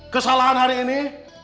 kesalahan hari ini